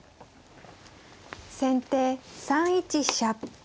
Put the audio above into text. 先手３一飛車。